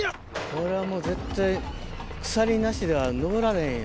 これはもう絶対鎖なしでは登られへんよ。